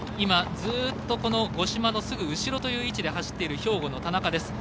ずっと五島のすぐ後ろの位置で走っている兵庫の田中。